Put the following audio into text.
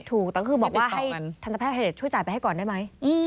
ถูกแต่ก็คือบอกว่าให้ทันตแพทย์ช่วยจ่ายไปให้ก่อนได้ไหม